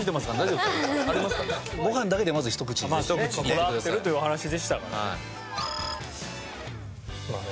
こだわってるというお話でしたからね。